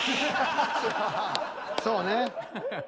そうね。